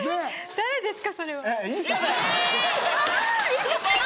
「誰ですか？」